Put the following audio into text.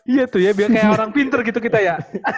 iya tuh ya biar kayak orang pinter gitu kita ya